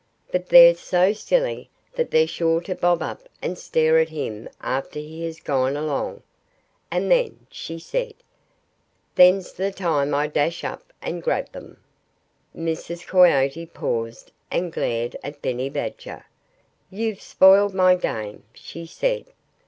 But they're so silly that they're sure to bob up and stare at him after he has gone along. And then" she said "then's the time I dash up and grab them." Mrs. Coyote paused and glared at Benny Badger. "You've spoiled my game," she said.